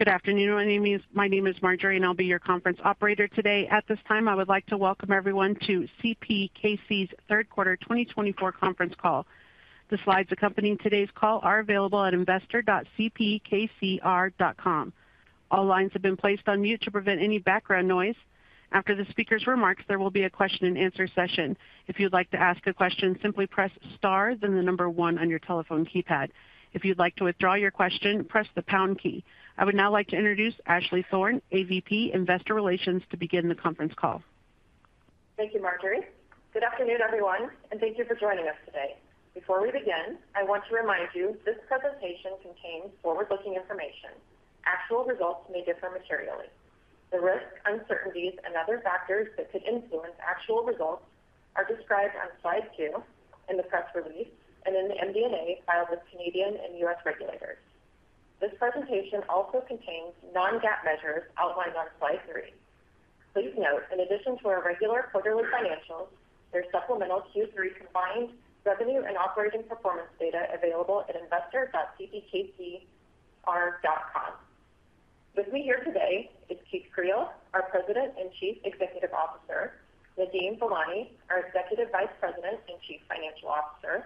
Good afternoon, my name is Marjorie, and I'll be your conference operator today. At this time, I would like to welcome everyone to CPKC's Third Quarter 2024 Conference Call. The slides accompanying today's call are available at investor.cpkc.com. All lines have been placed on mute to prevent any background noise. After the speaker's remarks, there will be a question-and-answer session. If you'd like to ask a question, simply press star, then the number one on your telephone keypad. If you'd like to withdraw your question, press the pound key. I would now like to introduce Ashley Thorne, AVP, Investor Relations, to begin the conference call. Thank you, Marjorie. Good afternoon, everyone, and thank you for joining us today. Before we begin, I want to remind you this presentation contains forward-looking information. Actual results may differ materially. The risks, uncertainties, and other factors that could influence actual results are described on slide two in the press release and in the MD&A filed with Canadian and U.S. regulators. This presentation also contains non-GAAP measures outlined on slide three. Please note, in addition to our regular quarterly financials, there's supplemental Q3 combined revenue and operating performance data available at investor.cpkc.com. With me here today is Keith Creel, our President and Chief Executive Officer, Nadeem Velani, our Executive Vice President and Chief Financial Officer,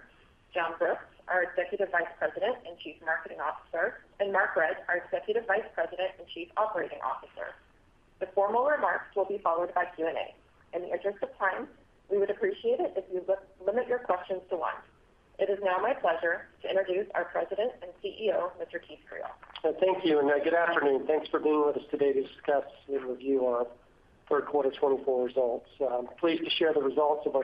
John Brooks, our Executive Vice President and Chief Marketing Officer, and Mark Redd, our Executive Vice President and Chief Operating Officer. The formal remarks will be followed by Q&A. In the interest of time, we would appreciate it if you limit your questions to one. It is now my pleasure to introduce our President and CEO, Mr. Keith Creel. Thank you, and good afternoon. Thanks for being with us today to discuss and review our third quarter 2024 results. Pleased to share the results of our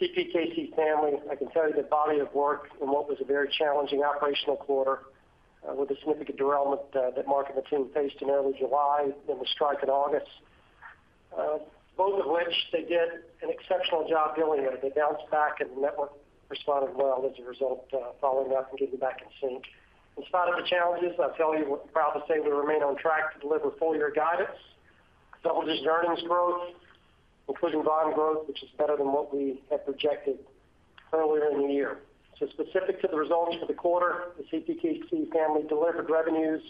20,000-strong CPKC family. I can tell you the body of work in what was a very challenging operational quarter, with a significant derailment that Mark and the team faced in early July, then the strike in August. Both of which they did an exceptional job dealing with. They bounced back and the network responded well as a result, following that and getting back in sync. In spite of the challenges, I tell you, we're proud to say we remain on track to deliver full-year guidance, double-digit earnings growth, including volume growth, which is better than what we had projected earlier in the year. Specific to the results for the quarter, the CPKC family delivered revenues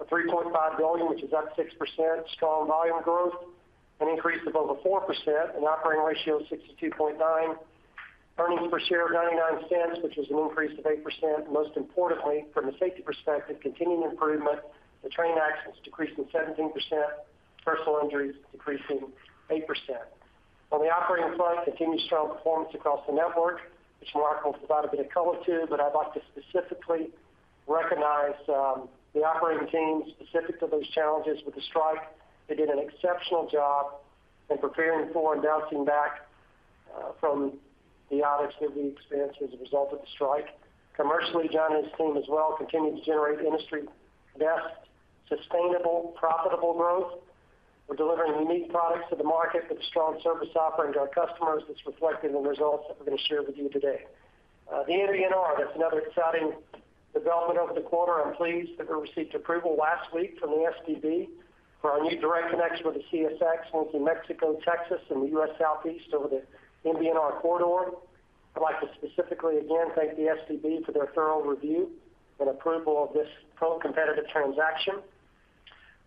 of 3.5 billion, which is up 6%. Strong volume growth, an increase of over 4%, an operating ratio of 62.9%. Earnings per share of 0.99, which is an increase of 8%. Most importantly, from a safety perspective, continuing improvement to train accidents decreasing 17%, personal injuries decreasing 8%. On the operating front, continued strong performance across the network, which Mark will provide a bit of color to, but I'd like to specifically recognize the operating team specific to those challenges with the strike. They did an exceptional job in preparing for and bouncing back from the audits that we experienced as a result of the strike. Commercially, John and his team as well continued to generate industry-best, sustainable, profitable growth. We're delivering unique products to the market with a strong service offering to our customers that's reflected in the results that we're going to share with you today. The Meridian Corridor, that's another exciting development over the quarter. I'm pleased that we received approval last week from the STB for our new direct connection with the CSX linking Mexico, Texas, and the U.S. Southeast over the Meridian Corridor. I'd like to specifically again thank the STB for their thorough review and approval of this pro-competitive transaction.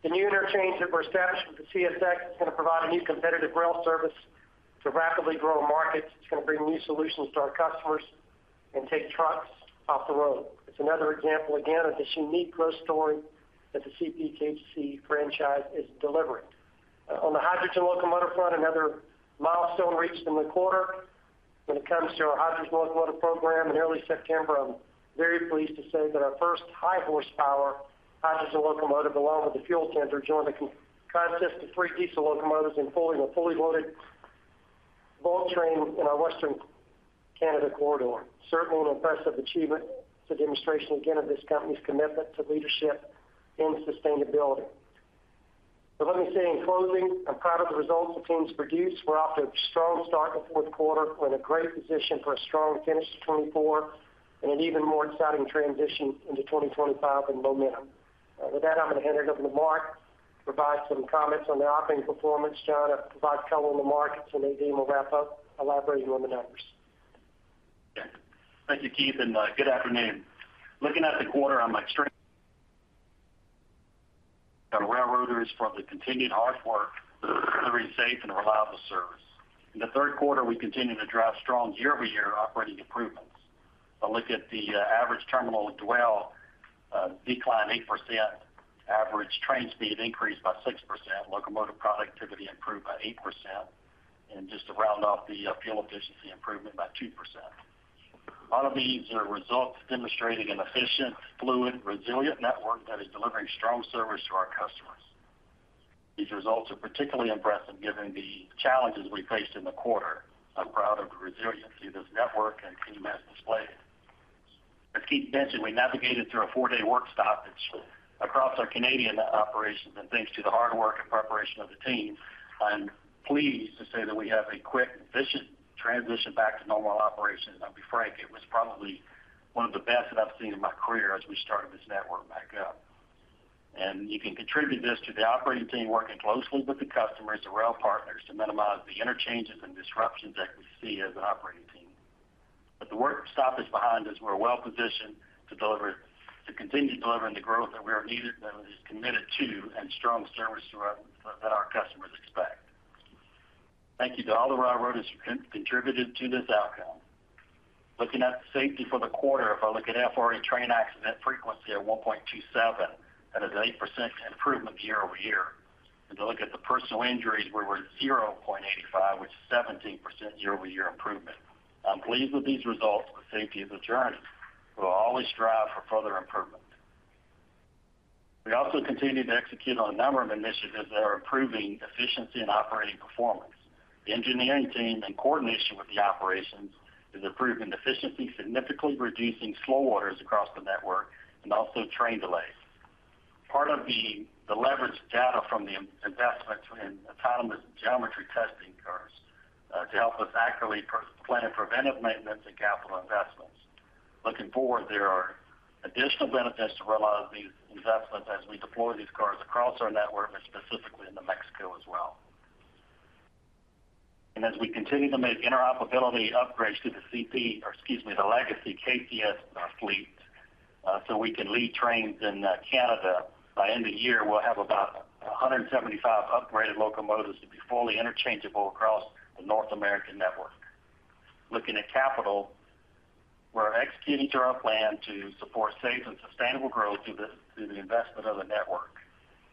The new interchange that we're establishing with the CSX is going to provide a new competitive rail service to rapidly grow markets. It's going to bring new solutions to our customers and take trucks off the road. It's another example, again, of this unique growth story that the CPKC franchise is delivering. On the hydrogen locomotive front, another milestone reached in the quarter when it comes to our hydrogen locomotive program. In early September, I'm very pleased to say that our first high horsepower hydrogen locomotive, along with the fuel tender, joined a consist of three diesel locomotives in pulling a fully loaded bulk train in our Western Canada corridor. Certainly an impressive achievement. It's a demonstration, again, of this company's commitment to leadership in sustainability. So let me say in closing, I'm proud of the results the team's produced. We're off to a strong start in the fourth quarter. We're in a great position for a strong finish to 2024 and an even more exciting transition into 2025 and momentum. With that, I'm going to hand it over to Mark to provide some comments on the operating performance. John, provide color on the markets, and Nadeem will wrap up, elaborating on the numbers. Thank you, Keith, and good afternoon. Looking at the quarter, I'm extremely proud of our railroaders for the continued hard work, delivering safe and reliable service. In the third quarter, we continued to drive strong year-over-year operating improvements. Looking at the average terminal dwell declined 8%. Average train speed increased by 6%, locomotive productivity improved by 8%, and just to round off the fuel efficiency improvement by 2%. All of these are results demonstrating an efficient, fluid, resilient network that is delivering strong service to our customers. These results are particularly impressive given the challenges we faced in the quarter. I'm proud of the resiliency of this network and team has displayed. As Keith mentioned, we navigated through a four-day work stoppage across our Canadian operations, and thanks to the hard work and preparation of the team, I'm pleased to say that we have a quick, efficient transition back to normal operations, and I'll be frank, it was probably one of the best that I've seen in my career as we started this network back up. And you can contribute this to the operating team, working closely with the customers and rail partners to minimize the interchanges and disruptions that we see as an operating team... but the work stop is behind us. We're well positioned to deliver, to continue delivering the growth that we are needed, that is committed to, and strong service to our, that our customers expect. Thank you to all the railroaders who contributed to this outcome. Looking at safety for the quarter, if I look at FRA train accident frequency at 1.27, that is an 8% improvement year-over-year. To look at the personal injuries, we were 0.85, which is 17% year-over-year improvement. I'm pleased with these results for the safety of the journey. We will always strive for further improvement. We also continued to execute on a number of initiatives that are improving efficiency and operating performance. The engineering team, in coordination with the operations, is improving efficiency, significantly reducing slow orders across the network and also train delays. Part of the leveraged data from the investments in autonomous geometry testing cars to help us accurately plan preventive maintenance and capital investments. Looking forward, there are additional benefits to realize these investments as we deploy these cars across our network, and specifically in Mexico as well, and as we continue to make interoperability upgrades to the CP, or excuse me, the legacy KCS fleet, so we can lead trains in Canada. By end of year, we'll have about 175 upgraded locomotives to be fully interchangeable across the North American network. Looking at capital, we're executing to our plan to support safe and sustainable growth through the investment of the network.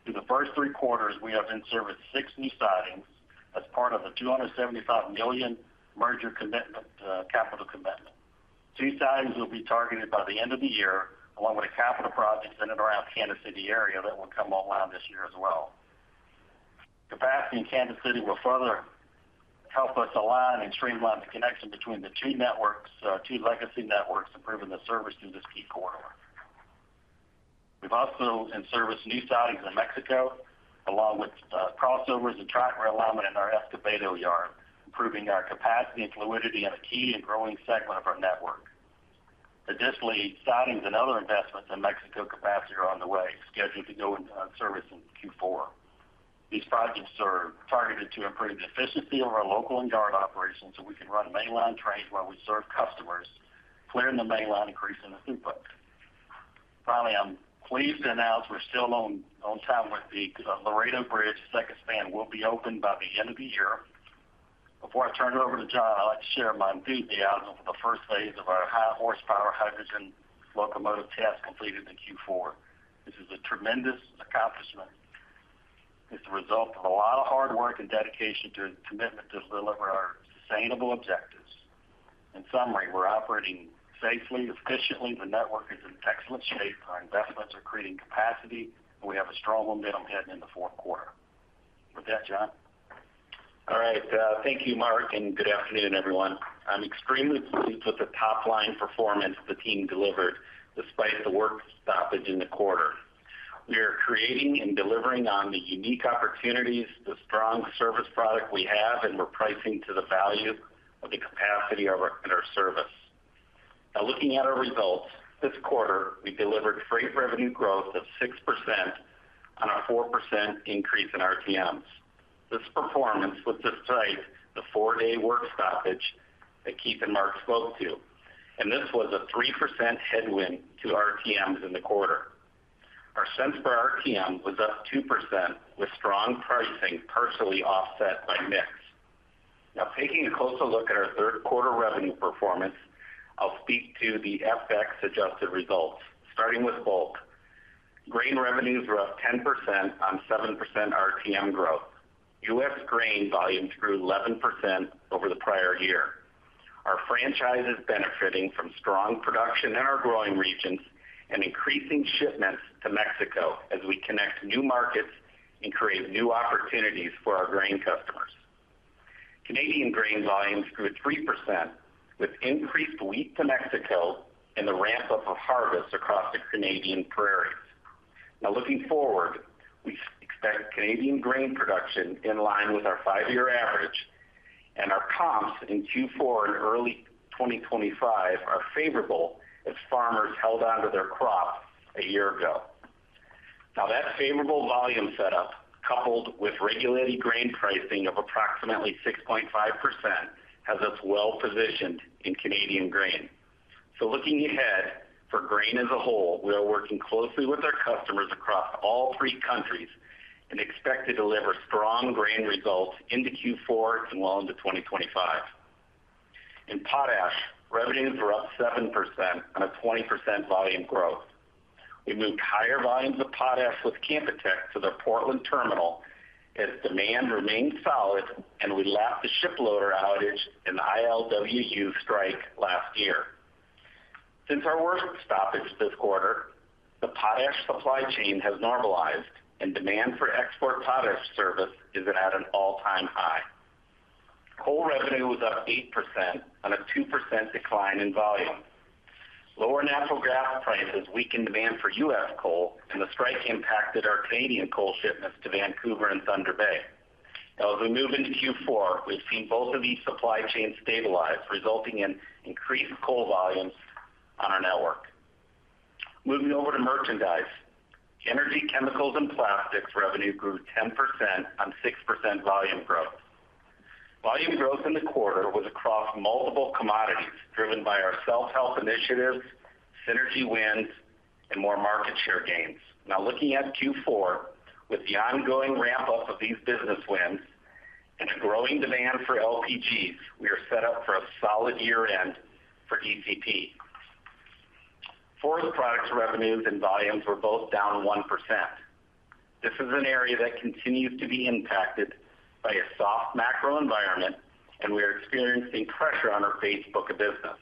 Through the first three quarters, we have been serviced six new sidings as part of a 275 million merger commitment, capital commitment. Two sidings will be targeted by the end of the year, along with a capital project centered around Kansas City area that will come online this year as well. Capacity in Kansas City will further help us align and streamline the connection between the two networks, two legacy networks, improving the service through this key corridor. We've also in-serviced new sidings in Mexico, along with crossovers and track realignment in our Escobedo yard, improving our capacity and fluidity in a key and growing segment of our network. Additionally, sidings and other investments in Mexico capacity are on the way, scheduled to go into service in Q4. These projects are targeted to improve the efficiency of our local and yard operations, so we can run mainline trains while we serve customers, clearing the mainline, increasing the throughput. Finally, I'm pleased to announce we're still on time with the Laredo Bridge. Second span will be open by the end of the year. Before I turn it over to John, I'd like to share my enthusiasm for the first phase of our high-horsepower hydrogen locomotive test completed in Q4. This is a tremendous accomplishment. It's the result of a lot of hard work and dedication to commitment to deliver our sustainable objectives. In summary, we're operating safely, efficiently. The network is in excellent shape. Our investments are creating capacity, and we have a strong momentum heading in the fourth quarter. With that, John? All right, thank you, Mark, and good afternoon, everyone. I'm extremely pleased with the top-line performance the team delivered despite the work stoppage in the quarter. We are creating and delivering on the unique opportunities, the strong service product we have, and we're pricing to the value of the capacity of our in our service. Now, looking at our results, this quarter, we delivered freight revenue growth of 6% on our 4% increase in RTMs. This performance was despite the four-day work stoppage that Keith and Mark spoke to, and this was a 3% headwind to RTMs in the quarter. Our cents per RTM was up 2%, with strong pricing partially offset by mix. Now, taking a closer look at our third quarter revenue performance, I'll speak to the FX-adjusted results. Starting with bulk. Grain revenues were up 10% on 7% RTM growth. U.S. grain volumes grew 11% over the prior year. Our franchise is benefiting from strong production in our growing regions and increasing shipments to Mexico as we connect new markets and create new opportunities for our grain customers. Canadian grain volumes grew 3%, with increased wheat to Mexico and the ramp-up of harvests across the Canadian Prairies. Now, looking forward, we expect Canadian grain production in line with our five-year average, and our comps in Q4 and early 2025 are favorable as farmers held onto their crop a year ago. Now, that favorable volume setup, coupled with regulated grain pricing of approximately 6.5%, has us well positioned in Canadian grain. So looking ahead, for grain as a whole, we are working closely with our customers across all three countries and expect to deliver strong grain results into Q4 and well into 2025. In Potash, revenues were up 7% on a 20% volume growth. We moved higher volumes of potash with Canpotex to the Portland terminal, as demand remained solid, and we lacked the ship loader outage and ILWU strike last year. Since our work stoppage this quarter, the potash supply chain has normalized, and demand for export potash service is at an all-time high. Coal revenue was up 8% on a 2% decline in volume. Lower natural gas prices weakened demand for U.S. coal, and the strike impacted our Canadian coal shipments to Vancouver and Thunder Bay. Now, as we move into Q4, we've seen both of these supply chains stabilize, resulting in increased coal volumes on our network. Moving over to merchandise. Energy, Chemicals, and Plastics revenue grew 10% on 6% volume growth. Volume growth in the quarter was across multiple commodities, driven by our self-help initiatives, synergy wins, and more market share gains. Now looking at Q4, with the ongoing ramp-up of these business wins and a growing demand for LPGs, we are set up for a solid year-end for ETP. Forest products revenues and volumes were both down 1%. This is an area that continues to be impacted by a soft macro environment, and we are experiencing pressure on our base book of business.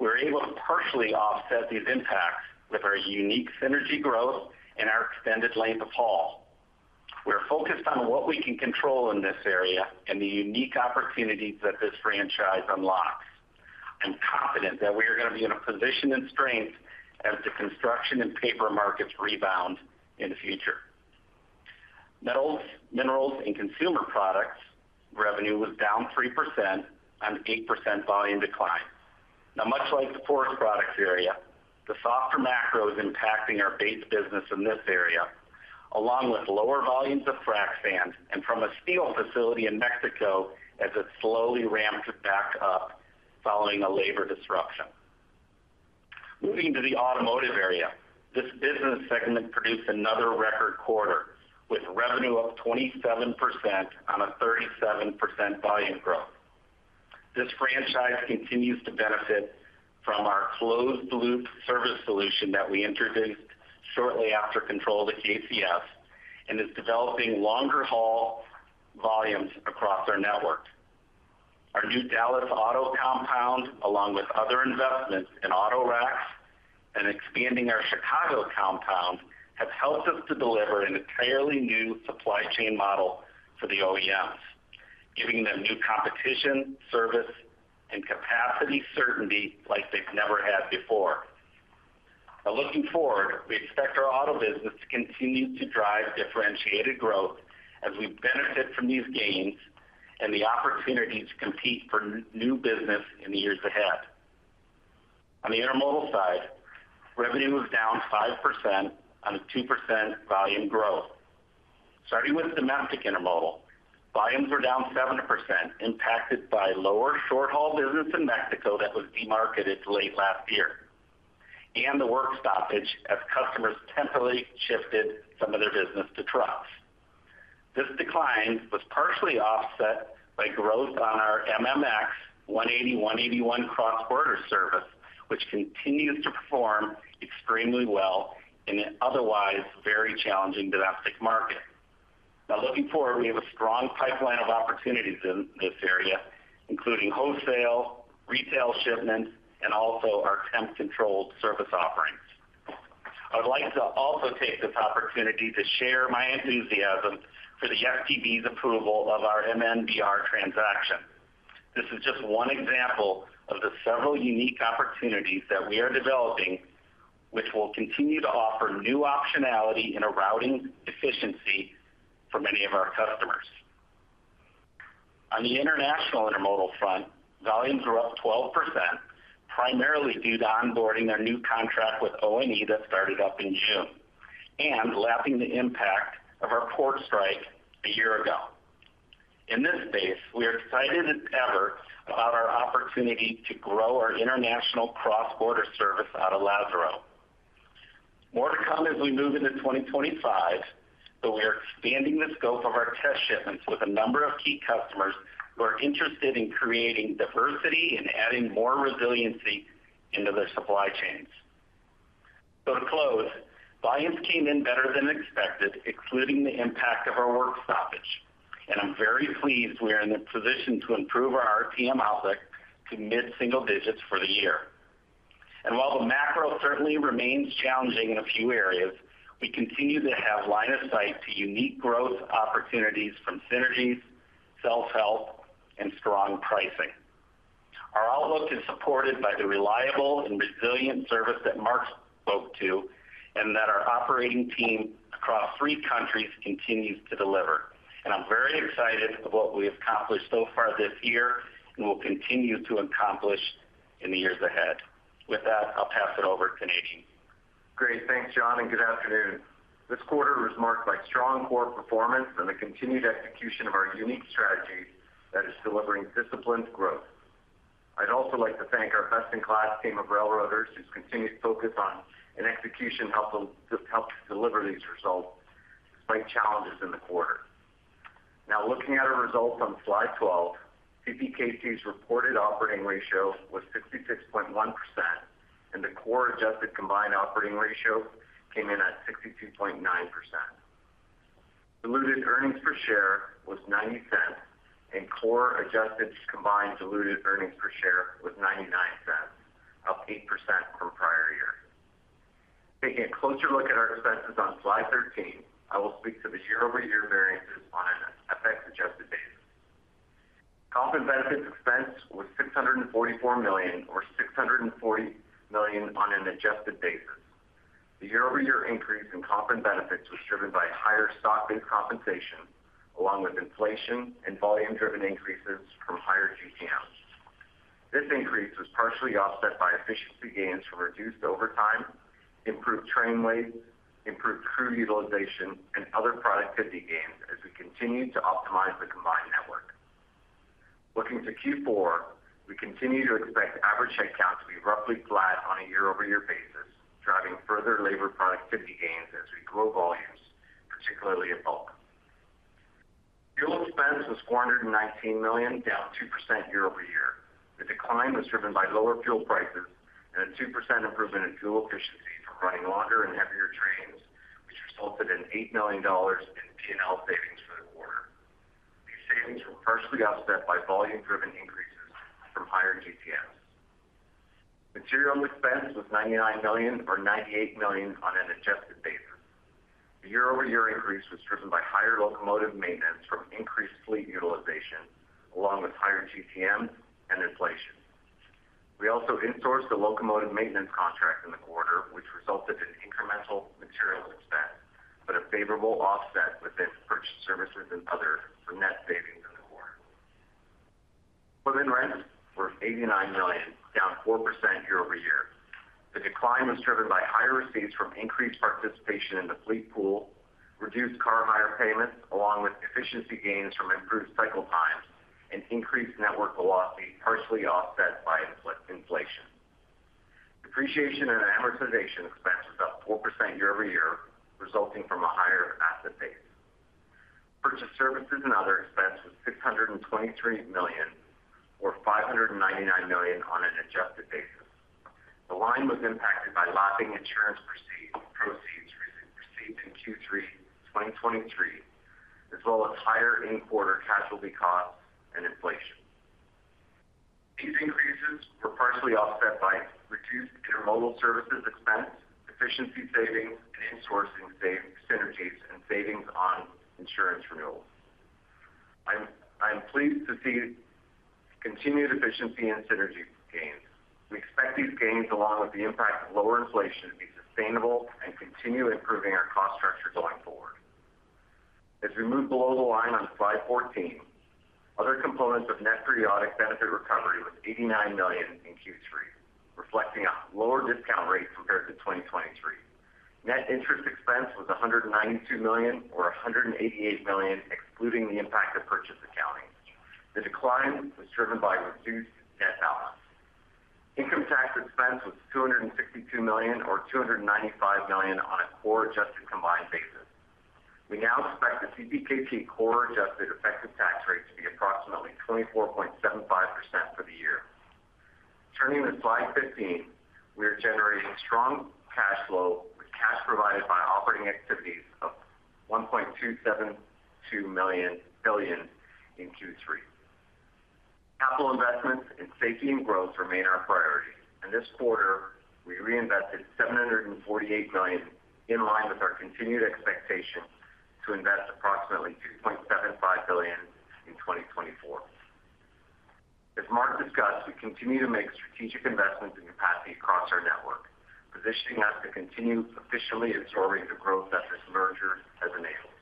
We're able to partially offset these impacts with our unique synergy growth and our extended length of haul. We're focused on what we can control in this area and the unique opportunities that this franchise unlocks. I'm confident that we are going to be in a position of strength as the construction and paper markets rebound in the future. Metals, Minerals, and Consumer products revenue was down 3% on 8% volume decline. Now, much like the forest products area, the softer macro is impacting our base business in this area, along with lower volumes of frac sand and from a steel facility in Mexico as it slowly ramps back up following a labor disruption. Moving to the Automotive area, this business segment produced another record quarter, with revenue up 27% on a 37% volume growth. This franchise continues to benefit from our closed loop service solution that we introduced shortly after control of the KCS, and is developing longer haul volumes across our network. Our new Dallas auto compound, along with other investments in auto racks and expanding our Chicago compound, have helped us to deliver an entirely new supply chain model for the OEMs, giving them new competition, service, and capacity certainty like they've never had before. Now, looking forward, we expect our auto business to continue to drive differentiated growth as we benefit from these gains and the opportunity to compete for new business in the years ahead. On the intermodal side, revenue was down 5% on a 2% volume growth. Starting with domestic intermodal, volumes were down 7%, impacted by lower short-haul business in Mexico that was demarketed late last year, and the work stoppage as customers temporarily shifted some of their business to trucks. This decline was partially offset by growth on our MMX 180/181 cross-border service, which continues to perform extremely well in an otherwise very challenging domestic market. Now looking forward, we have a strong pipeline of opportunities in this area, including wholesale, retail shipments, and also our temp-controlled service offerings. I would like to also take this opportunity to share my enthusiasm for the STB's approval of our MNBR transaction. This is just one example of the several unique opportunities that we are developing, which will continue to offer new optionality and a routing efficiency for many of our customers. On the international intermodal front, volumes were up 12%, primarily due to onboarding our new contract with ONE that started up in June, and lapping the impact of our port strike a year ago. In this space, we are excited as ever about our opportunity to grow our international cross-border service out of Lázaro. More to come as we move into 2025, but we are expanding the scope of our test shipments with a number of key customers who are interested in creating diversity and adding more resiliency into their supply chains. So to close, volumes came in better than expected, excluding the impact of our work stoppage, and I'm very pleased we are in a position to improve our RTM outlook to mid-single digits for the year. And while the macro certainly remains challenging in a few areas, we continue to have line of sight to unique growth opportunities from synergies, self-help, and strong pricing. Our outlook is supported by the reliable and resilient service that Mark spoke to, and that our operating team across three countries continues to deliver. I'm very excited of what we have accomplished so far this year, and will continue to accomplish in the years ahead. With that, I'll pass it over to Nadeem. Great. Thanks, John, and good afternoon. This quarter was marked by strong core performance and the continued execution of our unique strategy that is delivering disciplined growth. I'd also like to thank our best-in-class team of railroaders, whose continued focus on and execution helped them, helped deliver these results despite challenges in the quarter. Now, looking at our results on slide 12, CPKC's reported operating ratio was 66.1%, and the core adjusted combined operating ratio came in at 62.9%. Diluted earnings per share was 0.90, and core adjusted combined diluted earnings per share was 0.99, up 8% from prior year. Taking a closer look at our expenses on slide 13, I will speak to the year-over-year variances on an FX adjusted basis. Comp and benefits expense was 644 million, or 640 million on an adjusted basis. The year-over-year increase in comp and benefits was driven by higher stock-based compensation, along with inflation and volume-driven increases from higher GTMs. This increase was partially offset by efficiency gains from reduced overtime, improved train weight, improved crew utilization, and other productivity gains as we continue to optimize the combined network. Looking to Q4, we continue to expect average headcount to be roughly flat on a year-over-year basis, driving further labor productivity gains as we grow volumes, particularly in bulk. Fuel expense was 419 million, down 2% year-over-year. The decline was driven by lower fuel prices and a 2% improvement in fuel efficiency from running longer and heavier trains, which resulted in 8 million dollars in P&L savings for the quarter. These savings were partially offset by volume-driven increases from higher GTMs. Material expense was 99 million, or 98 million on an adjusted basis. The year-over-year increase was driven by higher locomotive maintenance from increased fleet utilization, along with higher GTMs and inflation. We also in-sourced a locomotive maintenance contract in the quarter, which resulted in incremental material expense, but a favorable offset within purchased services and other for net savings in the quarter. Equipment rents were 89 million, down 4% year-over-year. The decline was driven by higher receipts from increased participation in the fleet pool, reduced car hire payments, along with efficiency gains from improved cycle times and increased network velocity, partially offset by inflation. Depreciation and amortization expense was up 4% year-over-year, resulting from a higher asset base. Purchased services and other expense was 623 million, or 599 million on an adjusted basis. The line was impacted by labor and insurance proceeds received in Q3 2023, as well as higher insurance and casualty costs and inflation. These increases were partially offset by reduced intermodal services expense, efficiency savings, and insourcing synergies and savings on insurance renewals. I'm pleased to see continued efficiency and synergy gains. We expect these gains, along with the impact of lower inflation, to be sustainable and continue improving our cost structure going forward. As we move below the line on slide 14, other components of net periodic benefit recovery was 89 million in Q3, reflecting a lower discount rate compared to 2023. Net interest expense was 192 million, or 188 million, excluding the impact of purchase accounting. The decline was driven by reduced debt outlook. Income tax expense was 262 million, or 295 million on a core adjusted combined basis. We now expect the CPKC core adjusted effective tax rate to be approximately 24.75% for the year. Turning to slide 15, we are generating strong cash flow, with cash provided by operating activities of 1.272 billion in Q3. Capital investments in safety and growth remain our priority, and this quarter, we reinvested 748 million, in line with our continued expectation to invest approximately 2.75 billion in 2024. As Mark discussed, we continue to make strategic investments in capacity across our network, positioning us to continue efficiently absorbing the growth that this merger has enabled.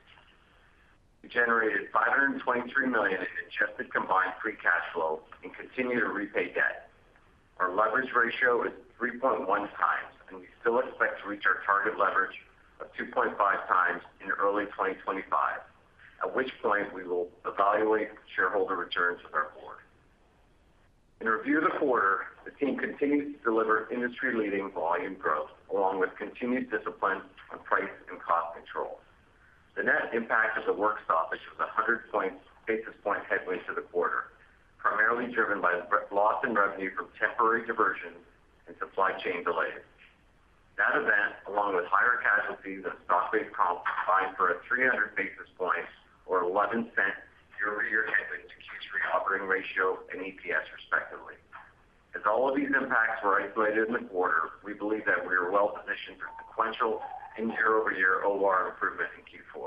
We generated 523 million in adjusted combined free cash flow and continue to repay debt. Our leverage ratio is 3.1x, and we still expect to reach our target leverage of 2.5x in early 2025, at which point we will evaluate shareholder returns with our board. In review of the quarter, the team continued to deliver industry-leading volume growth, along with continued discipline on price and cost control. The net impact of the work stoppage was 100 basis point headwind to the quarter, primarily driven by the loss in revenue from temporary diversions and supply chain delays. That event, along with higher casualties and stock-based comp, combined for 300 basis point or 0.11 year-over-year headwind to Q3 operating ratio and EPS, respectively. As all of these impacts were isolated in the quarter, we believe that we are well-positioned for sequential and year-over-year OR improvement in Q4.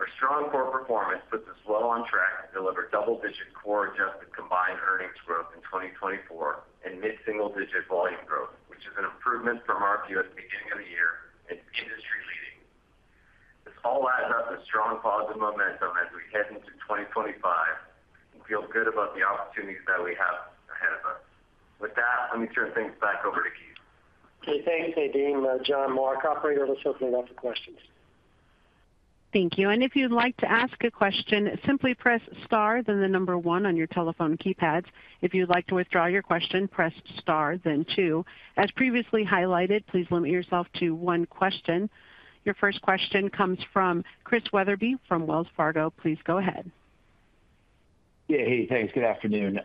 Our strong core performance puts us well on track to deliver double-digit core adjusted combined earnings growth in 2024 and mid-single-digit volume growth, which is an improvement from our view at the beginning of the year and industry-leading. This all adds up to strong positive momentum as we head into 2025 and feel good about the opportunities that we have ahead of us. With that, let me turn things back over to Keith. Okay, thanks, Dean, John, Mark. Operator, let's open it up to questions. Thank you. And if you'd like to ask a question, simply press star, then the number one on your telephone keypads. If you'd like to withdraw your question, press star, then two. As previously highlighted, please limit yourself to one question. Your first question comes from Chris Wetherbee, from Wells Fargo. Please go ahead. Hey, thanks. Good afternoon.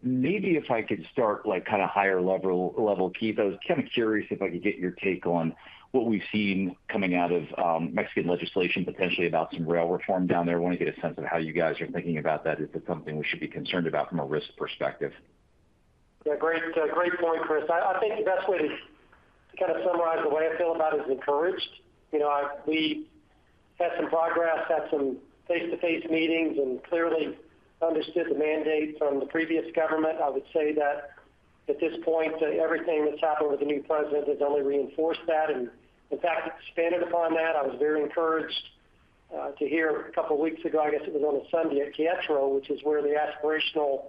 Maybe if I could start, like, kind of higher level, Keith, I was kind of curious if I could get your take on what we've seen coming out of Mexican legislation, potentially about some rail reform down there. I want to get a sense of how you guys are thinking about that. Is it something we should be concerned about from a risk perspective? Great, great point, Chris. I think the best way to kind of summarize the way I feel about it is encouraged. You know, had some progress, had some face-to-face meetings, and clearly understood the mandate from the previous government. I would say that at this point, everything that's happened with the new president has only reinforced that, and in fact, expanded upon that. I was very encouraged to hear a couple of weeks ago, I guess it was on a Sunday, at Querétaro, which is where the aspirational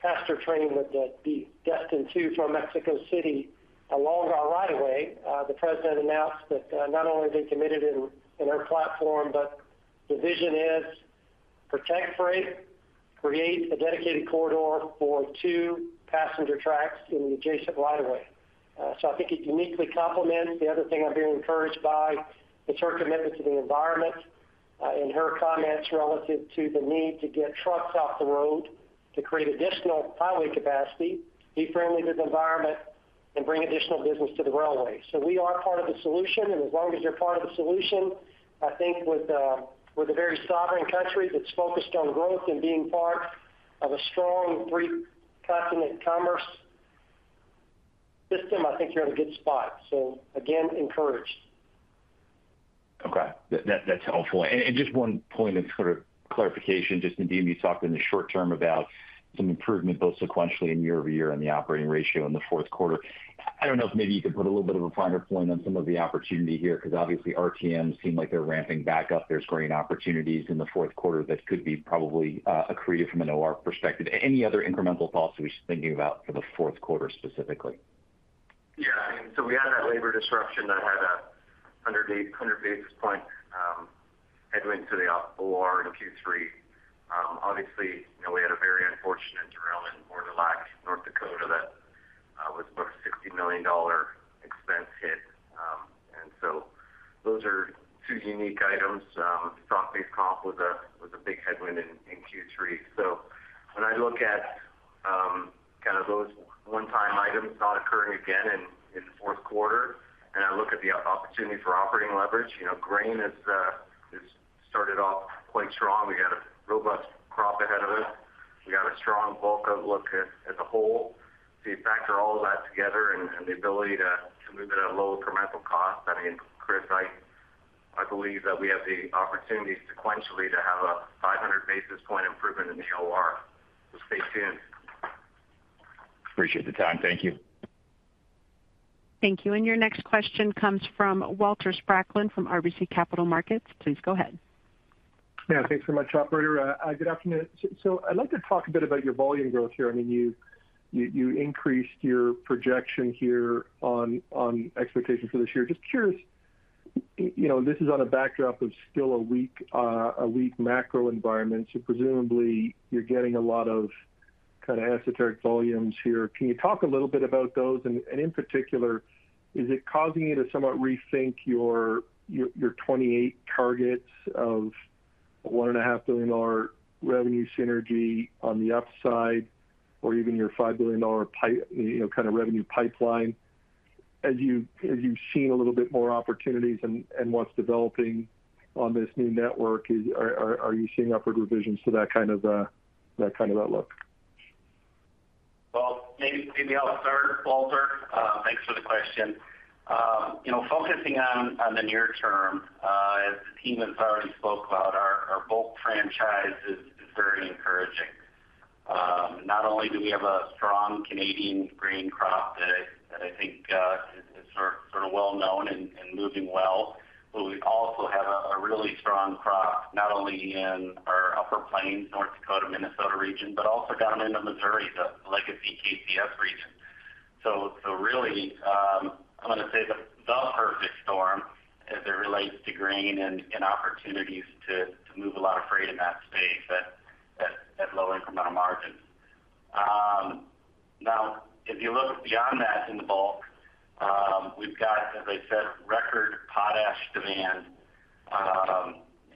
passenger train would be destined to from Mexico City, along our right of way. The president announced that not only they committed in their platform, but the vision is protect freight, create a dedicated corridor for two passenger tracks in the adjacent right of way. So I think it uniquely complements. The other thing I'm very encouraged by is her commitment to the environment, and her comments relative to the need to get trucks off the road to create additional highway capacity, be friendly to the environment, and bring additional business to the railway. So we are part of the solution, and as long as you're part of the solution, I think with a very sovereign country that's focused on growth and being part of a strong, three-continent commerce system, I think you're in a good spot. So again, encouraged. Okay, that's helpful. And just one point of sort of clarification. Just indeed, you talked in the short term about some improvement, both sequentially and year-over-year, on the operating ratio in the fourth quarter. I don't know if maybe you could put a little bit of a finer point on some of the opportunity here, because obviously RTM seem like they're ramping back up. There's grain opportunities in the fourth quarter that could be probably accretive from an OR perspective. Any other incremental thoughts that we should be thinking about for the fourth quarter, specifically? I mean, so we had that labor disruption that had a 100 basis point headwind to the OR in Q3. Obviously, you know, we had a very unfortunate derailment in Bordulac, North Dakota, that was about a 60 million dollar expense hit. And so those are two unique items. Stock-based comp was a big headwind in Q3. So when I look at kind of those one-time items not occurring again in the fourth quarter, and I look at the opportunity for operating leverage, you know, grain has started off quite strong. We got a robust crop ahead of us. We got a strong bulk outlook as a whole. So you factor all of that together and the ability to move it at a lower incremental cost. I mean, Chris, I believe that we have the opportunity sequentially to have a 500 basis points improvement in the OR. So stay tuned. Appreciate the time. Thank you. Thank you. And your next question comes from Walter Spracklin from RBC Capital Markets. Please go ahead. Thanks so much, operator. Good afternoon. I'd like to talk a bit about your volume growth here. I mean, you increased your projection here on expectations for this year. Just curious, you know, this is on a backdrop of still a weak macro environment, so presumably you're getting a lot of kind of esoteric volumes here. Can you talk a little bit about those? And in particular, is it causing you to somewhat rethink your 2028 targets of 1.5 billion dollar revenue synergy on the upside, or even your 5 billion dollar pipe, you know, kind of revenue pipeline? As you've seen a little bit more opportunities and what's developing on this new network, are you seeing upward revisions to that kind of outlook? Well, maybe, maybe I'll start, Walter. Thanks for the question. You know, focusing on the near term, as the team has already spoke about, our bulk franchise is very encouraging. Not only do we have a strong Canadian grain crop that I think is sort of well known and moving well, but we also have a really strong crop, not only in our upper plains, North Dakota, Minnesota region, but also down into Missouri, the legacy KCS region. So really, I'm going to say the perfect storm as it relates to grain and opportunities to move a lot of freight in that space at low incremental margins. Now, if you look beyond that in the bulk, we've got, as I said, record potash demand,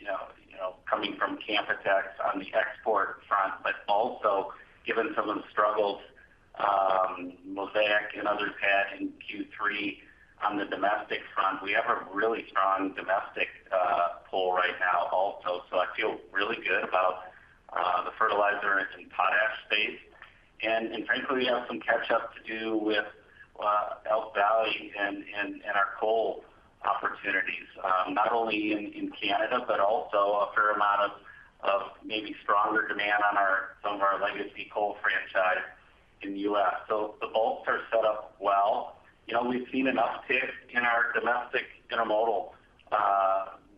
you know, coming from Canpotex on the export front, but also given some of the struggles, Mosaic and others had in Q3 on the domestic front, we have a really strong domestic pull right now also. So I feel really good about the fertilizer and potash space. And frankly, we have some catch up to do with Elk Valley and our coal opportunities, not only in Canada, but also a fair amount of maybe stronger demand on our some of our legacy coal franchise in the U.S. So the bulks are set up well. You know, we've seen an uptick in our domestic intermodal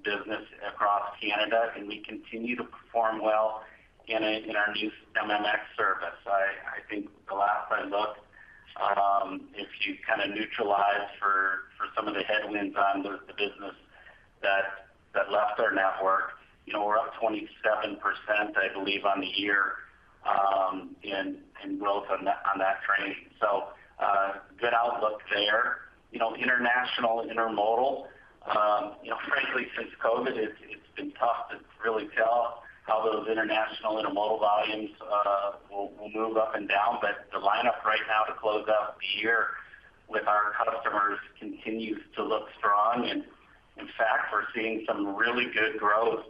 business across Canada, and we continue to perform well in our new MMX service. I think the last I looked, if you kind of neutralize for some of the headwinds on the business that left our network, you know, we're up 27%, I believe, on the year, in growth on that train. So, good outlook there. You know, international intermodal, you know, frankly, since COVID, it's been tough to really tell how those international intermodal volumes will move up and down. But the lineup right now to close out the year with our customers continues to look strong, and in fact, we're seeing some really good growth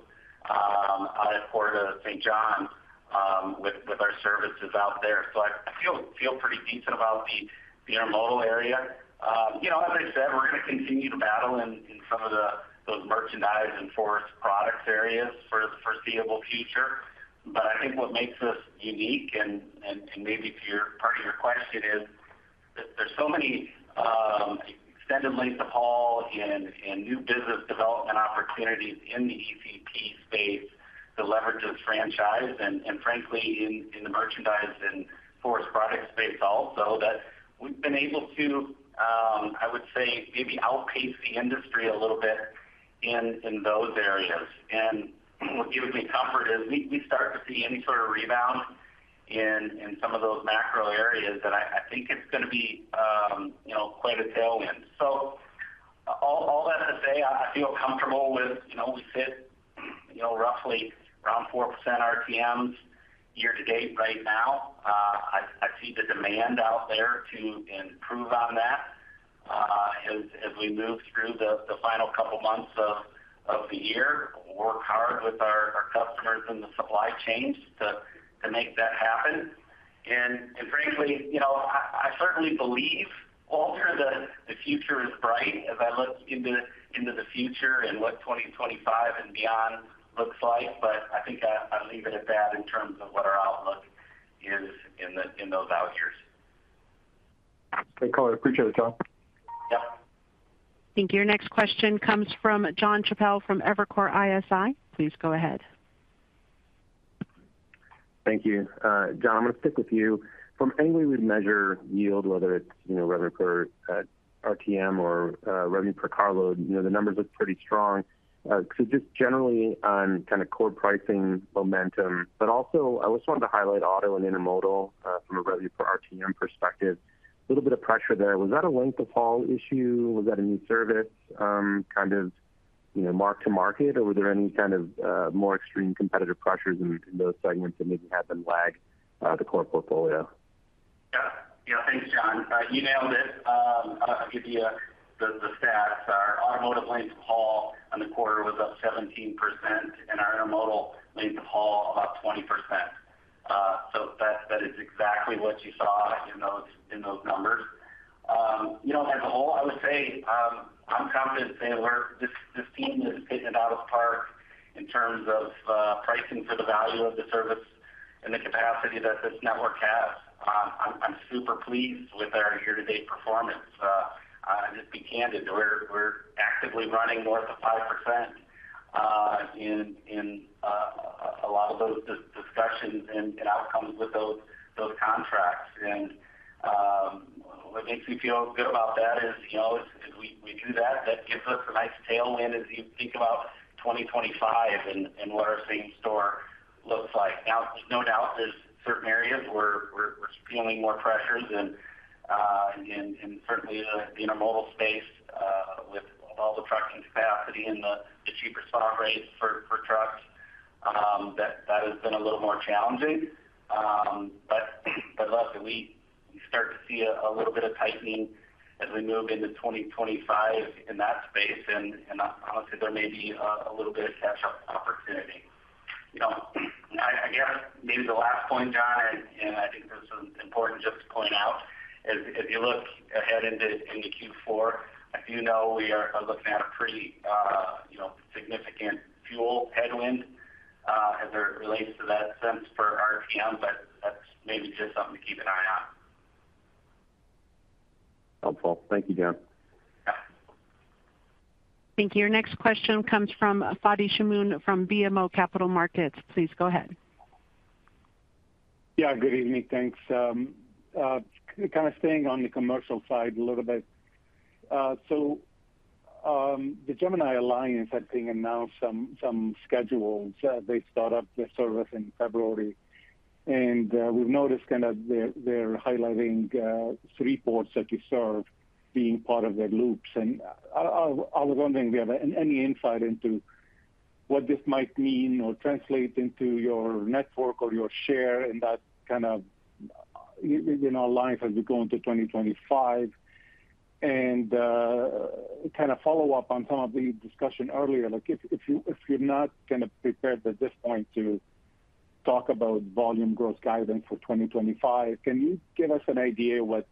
out of Port of Saint John with our services out there. I feel pretty decent about the intermodal area. You know, as I said, we're going to continue to battle in some of those merchandise and forest products areas for the foreseeable future. But I think what makes us unique, and maybe to your part of your question is that there's so many extended length of haul and new business development opportunities in the ECP space to leverage this franchise, and frankly in the merchandise and forest products space also, that we've been able to I would say maybe outpace the industry a little bit in those areas. And what gives me comfort is we start to see any sort of rebound in some of those macro areas, that I think it's going to be you know quite a tailwind. So all that to say, I feel comfortable with, you know, we sit, you know, roughly around 4% RTMs year to date right now. I see the demand out there to improve on that, as we move through the final couple of months of the year. We'll work hard with our customers in the supply chains to make that happen. And frankly, you know, I certainly believe, Walter, that the future is bright as I look into the future and what 2025 and beyond looks like. But I think I'll leave it at that in terms of what our outlook is in those out years. Great call. I appreciate the time. I think your next question comes from Jon Chappell from Evercore ISI. Please go ahead. Thank you. John, I'm going to stick with you. From any way we'd measure yield, whether it's, you know, revenue per RTM or revenue per carload, you know, the numbers look pretty strong, so just generally on kind of core pricing momentum, but also, I also wanted to highlight auto and intermodal from a revenue per RTM perspective. A little bit of pressure there. Was that a length of haul issue? Was that a new service, kind of, you know, mark to market? Or were there any kind of more extreme competitive pressures in those segments that maybe have them lag the core portfolio? Thanks, Jon. You nailed it. I'll give you the stats. Our automotive length of haul on the quarter was up 17%, and our intermodal length of haul, about 20%. So that is exactly what you saw in those numbers. You know, as a whole, I would say, I'm confident saying we're this team has hit it out of the park in terms of pricing for the value of the service and the capacity that this network has. I'm super pleased with our year-to-date performance. Just be candid, we're actively running north of 5% in a lot of those discussions and outcomes with those contracts. What makes me feel good about that is, you know, as we do that, that gives us a nice tailwind as you think about 2025 and what our same store looks like. Now, there's no doubt there's certain areas where we're feeling more pressures and certainly the intermodal space with all the trucking capacity and the cheaper spot rates for trucks, that has been a little more challenging. But luckily, we start to see a little bit of tightening as we move into 2025 in that space, and honestly, there may be a little bit of catch-up opportunity. You know, I guess maybe the last point, John, and I think this is important just to point out, if you look ahead into Q4, as you know, we are looking at a pretty, you know, significant fuel headwind, as it relates to that sense for RTM, but that's maybe just something to keep an eye on. Helpful. Thank you, John. Thank you. Our next question comes from Fadi Chamoun from BMO Capital Markets. Please go ahead. Good evening. Thanks. Kind of staying on the commercial side a little bit. So, the Gemini Alliance, I think, announced some schedules. They start up their service in February, and we've noticed kind of they're highlighting three ports that you serve being part of their loops. And I was wondering if you have any insight into what this might mean or translate into your network or your share in that kind of our life as we go into 2025. And kind of follow up on some of the discussion earlier, like, if you're not kind of prepared at this point to talk about volume growth guidance for 2025, can you give us an idea what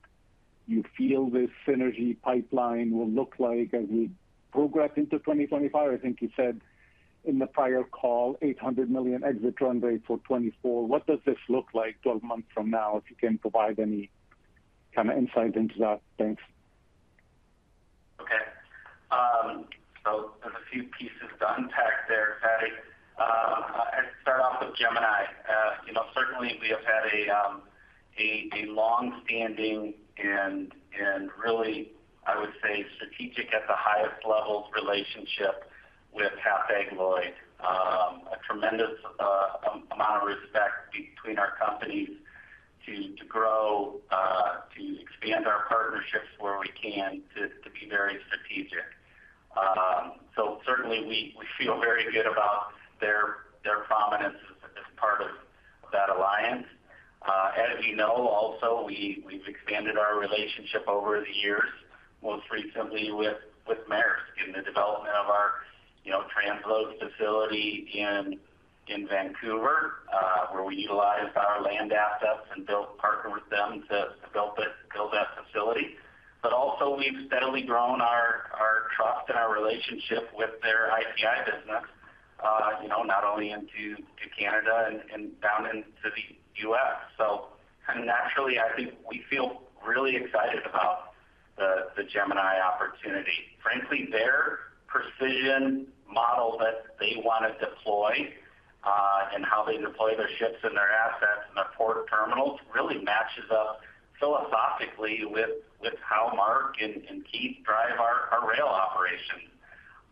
you feel this synergy pipeline will look like as we progress into 2025? I think you said in the prior call, 800 million exit run rate for 2024. What does this look like twelve months from now, if you can provide any kind of insight into that? Thanks. So there's a few pieces to unpack there, Fadi. I'd start off with Gemini. You know, certainly we have had a long-standing and really, I would say, strategic at the highest levels, relationship with Hapag-Lloyd. A tremendous amount of respect between our companies to grow, to expand our partnerships where we can, to be very strategic. So certainly we feel very good about their prominence. As you know, also, we've expanded our relationship over the years, most recently with Maersk, in the development of our, you know, transload facility in Vancouver, where we utilized our land assets and built, partnered with them to build it, that facility. We've steadily grown our trust and our relationship with their ICI business, you know, not only into to Canada and down into the US. So kind of naturally, I think we feel really excited about the Gemini opportunity. Frankly, their precision model that they want to deploy and how they deploy their ships and their assets and their port terminals really matches up philosophically with how Mark and Keith drive our rail operation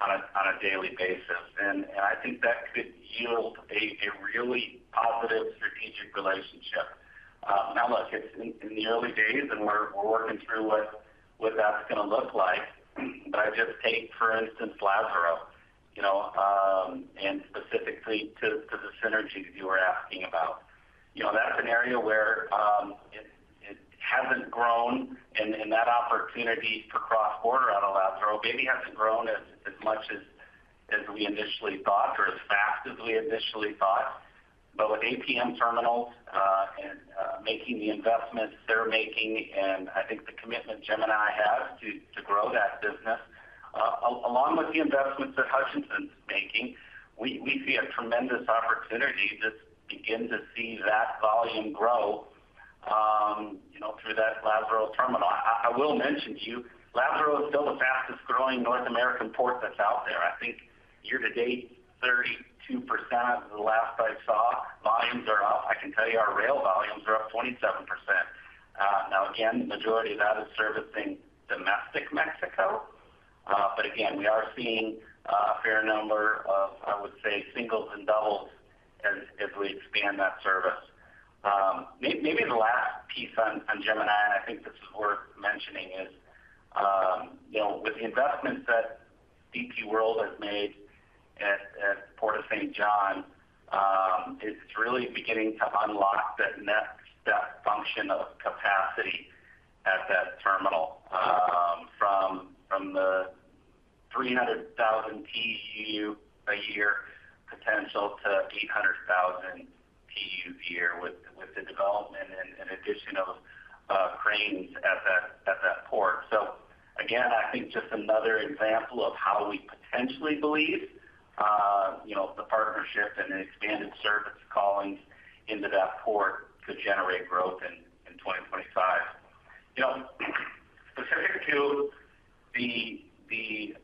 on a daily basis. And I think that could yield a really positive strategic relationship. Now, look, it's in the early days, and we're working through what that's going to look like. But I just take, for instance, Lázaro, you know, and specifically to the synergies you were asking about. That's an area where it hasn't grown, and that opportunity for cross-border out of Lázaro maybe hasn't grown as much as we initially thought or as fast as we initially thought. But with APM Terminals and making the investments they're making, and I think the commitment Gemini has to grow that business, along with the investments that Hutchison's making, we see a tremendous opportunity to begin to see that volume grow, you know, through that Lázaro terminal. I will mention to you, Lázaro is still the fastest-growing North American port that's out there. I think year to date, 32%, the last I saw, volumes are up. I can tell you our rail volumes are up 27%. Now, again, the majority of that is servicing domestic Mexico. But again, we are seeing a fair number of, I would say, singles and doubles as we expand that service. Maybe the last piece on Gemini, and I think this is worth mentioning, is you know, with the investments that DP World has made at Port Saint John, it's really beginning to unlock that next function of capacity at that terminal, from the 300,000 TEU a year potential to 800,000 TEU a year with the development and addition of cranes at that port. So again, I think just another example of how we potentially believe you know, the partnership and the expanded service callings into that port could generate growth in 2025. Specific to the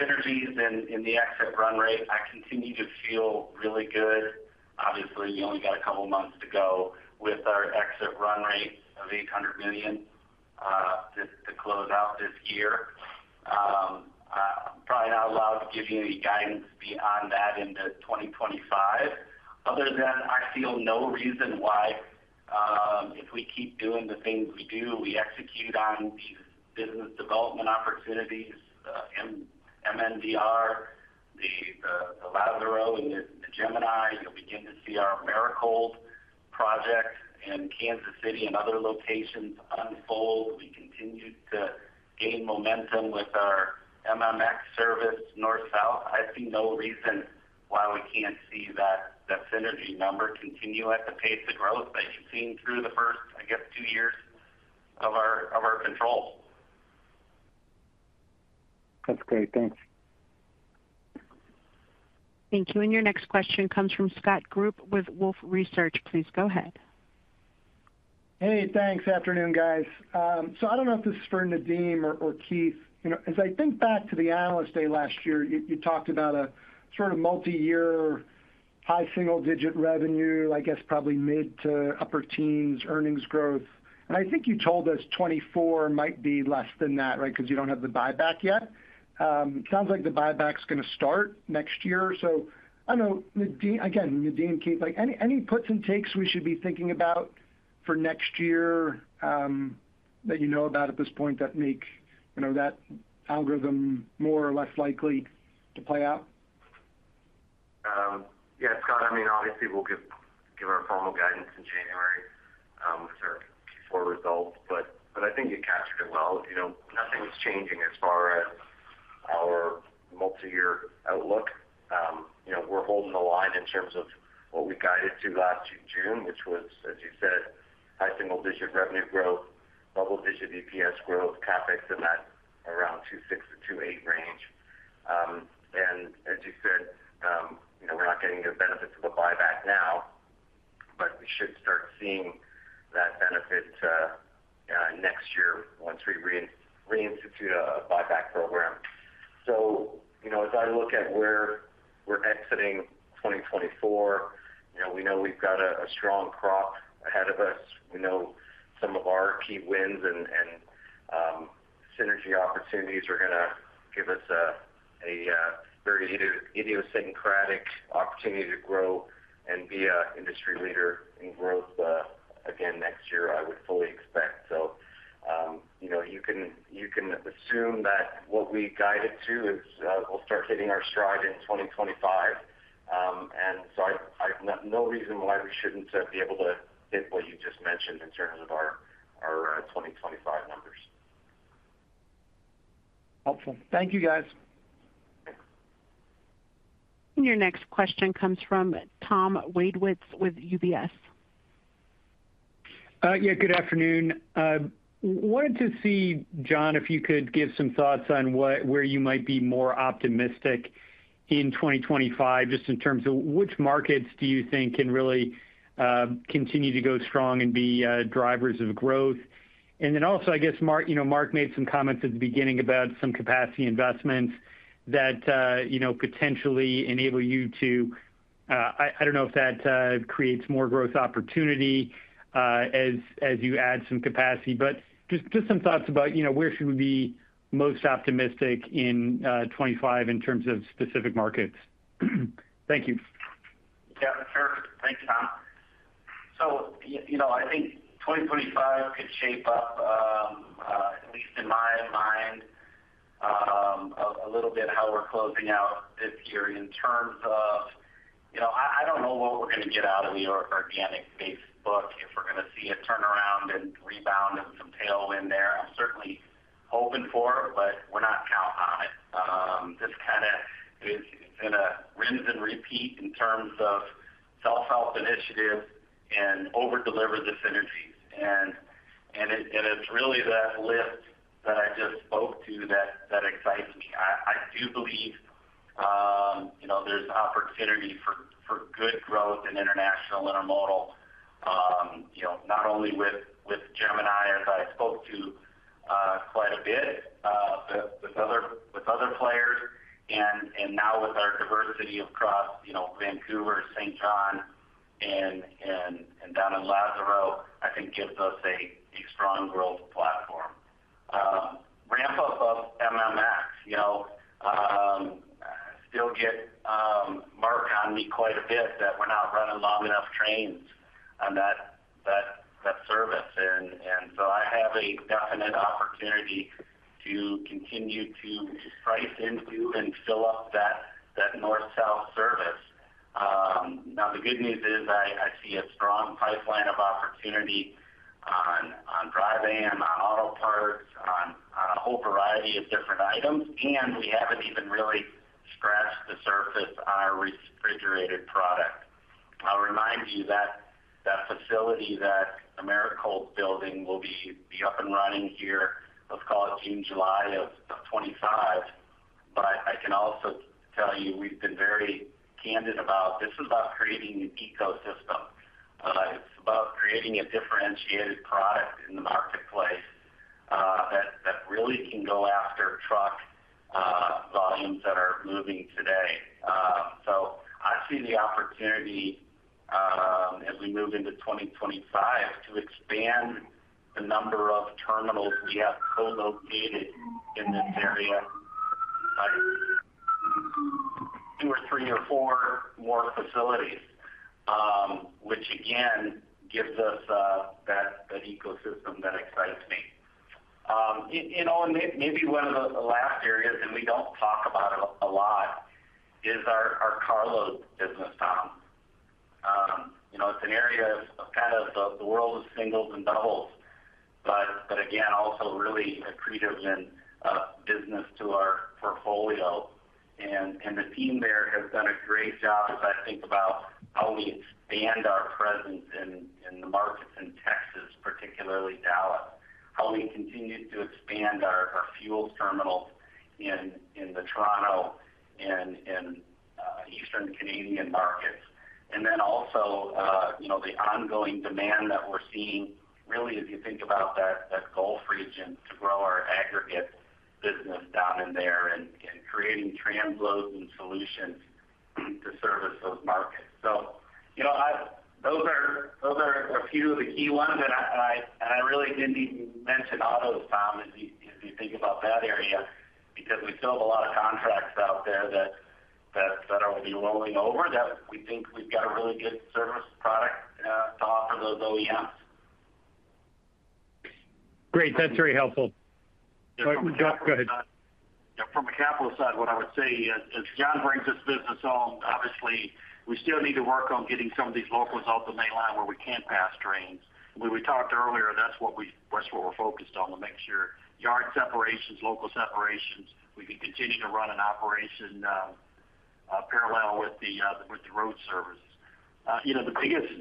synergies in the exit run rate, I continue to feel really good. Obviously, you only got a couple of months to go with our exit run rate of 800 million just to close out this year. I'm probably not allowed to give you any guidance beyond that into 2025. Other than, I feel no reason why, if we keep doing the things we do, we execute on these business development opportunities, MNBR, the Lazaro and the Gemini. You'll begin to see our Americold project in Kansas City and other locations unfold. We continue to gain momentum with our MMX service, North-South. I see no reason why we can't see that synergy number continue at the pace of growth that you've seen through the first, I guess, two years of our control. That's great. Thanks. Thank you. And your next question comes from Scott Group with Wolfe Research. Please go ahead. Hey, thanks. Afternoon, guys. So I don't know if this is for Nadeem or Keith. You know, as I think back to the Analyst Day last year, you talked about a sort of multiyear, high single-digit revenue, I guess, probably mid to upper teens, earnings growth. And I think you told us 2024 might be less than that, right? Because you don't have the buyback yet. Sounds like the buyback is going to start next year. So I know, Nadeem, Keith, like, any puts and takes we should be thinking about for next year, that you know about at this point that make, you know, that algorithm more or less likely to play out? Scott we'll give our formal guidance in January with our Q4 results, but I think you captured it well. You know, nothing's changing as far as our multiyear outlook. You know, we're holding the line in terms of what we guided to last June, which was, as you said, high single-digit revenue growth, double-digit EPS growth, CapEx in that around 2.6-2.8 range. And as you said, you know, we're not getting the benefit of the buyback now, but we should start seeing that benefit next year once we reinstitute a buyback program. You know, as I look at where we're exiting 2024, you know, we know we've got a strong crop ahead of us. We know some of our key wins and synergy opportunities are going to give us a very idiosyncratic opportunity to grow and be an industry leader in growth again next year, I would fully expect. You know, you can assume that what we guided to is we'll start hitting our stride in 2025, and so I have no reason why we shouldn't be able to hit what you just mentioned in terms of our 2025 numbers. Helpful. Thank you, guys. Your next question comes from Tom Wadewitz with UBS. Good afternoon. Wanted to see, John, if you could give some thoughts on where you might be more optimistic in 2025, just in terms of which markets do you think can really continue to go strong and be drivers of growth? And then also, I guess, Mark, you know, Mark made some comments at the beginning about some capacity investments that, you know, potentially enable you to, I don't know if that creates more growth opportunity, as you add some capacity, but just some thoughts about, you know, where should we be most optimistic in 2025 in terms of specific markets? Thank you. Sure. Thanks, Tom. You know, I think 2025 could shape up, at least in my mind, a little bit how we're closing out this year in terms of, you know, I don't know what we're going to get out of the organic growth, if we're going to see a turnaround and rebound and some tailwind there. I'm certainly hoping for it, but we're not counting on it. Just kind of, it's in a rinse and repeat in terms of self-help initiatives and over-deliver the synergies, and it's really that lift that I just spoke to that excites me. I do believe, you know, there's opportunity for good growth in international intermodal, you know, not only with Gemini, as I spoke to quite a bit, but with other players, and now with our diversity across, you know, Vancouver, Saint John, and down in Lázaro, I think gives us a strong growth platform. Ramp up of MMX, you know, I still get Mark on me quite a bit that we're not running long enough trains on that service. And so I have a definite opportunity to continue to price into and fill up that North South service. Now, the good news is I see a strong pipeline of opportunity on dry van, on auto parts, on a whole variety of different items, and we haven't even really scratched the surface on our refrigerated product. I'll remind you that that facility, that Americold building, will be up and running here, let's call it in July of 2025. But I can also tell you we've been very candid about this is about creating an ecosystem, but it's about creating a differentiated product in the marketplace, that really can go after truck volumes that are moving today. So I see the opportunity, as we move into 2025, to expand the number of terminals we have co-located in this area by two or three or four more facilities, which again gives us that ecosystem that excites me. You know, and maybe one of the last areas, and we don't talk about it a lot, is our carload business, Tom. You know, it's an area of kind of the world of singles and doubles, but again also really accretive in business to our portfolio. The team there has done a great job as I think about how we expand our presence in the markets in Texas, particularly Dallas, how we continue to expand our fuels terminals in the Toronto and in Eastern Canadian markets. And then also, you know, the ongoing demand that we're seeing, really, if you think about that, that Gulf region, to grow our aggregate business down in there and creating transloads and solutions to service those markets. So, you know, those are a few of the key ones, and I really didn't even mention autos, Tom, if you think about that area, because we still have a lot of contracts out there that will be rolling over, that we think we've got a really good service product to offer those OEMs. Great. That's very helpful. Go ahead. From a capital side, what I would say is, as John brings this business on, obviously, we still need to work on getting some of these locals off the mainline where we can't pass trains. When we talked earlier, that's what we're focused on, to make sure yard separations, local separations, we can continue to run an operation parallel with the road services. You know, the biggest